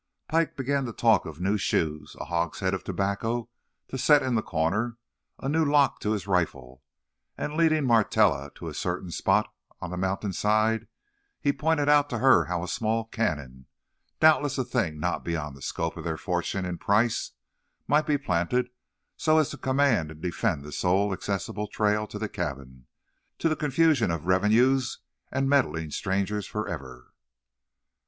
Pike began to talk of new shoes, a hogshead of tobacco to set in the corner, a new lock to his rifle; and, leading Martella to a certain spot on the mountain side, he pointed out to her how a small cannon—doubtless a thing not beyond the scope of their fortune in price—might be planted so as to command and defend the sole accessible trail to the cabin, to the confusion of revenues and meddling strangers forever.